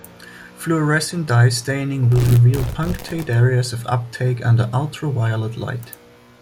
Fluorescein dye staining will reveal punctate areas of uptake under ultraviolet light.